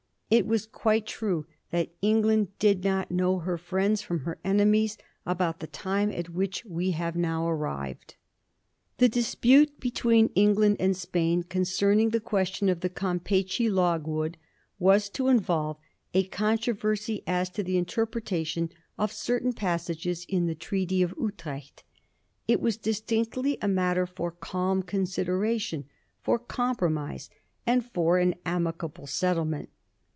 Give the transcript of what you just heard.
It was quite true that England did not know her friends firom her enemies about the time at which we have now arrived. The dispute between England and Spain concern ing the question of the Campeachy logwood was to involve a controversy as to the interpretation of certain passages in the Treaty of Utrecht. It was distinctly a matter for calm consideration, for com promise, and for an amicable settlement.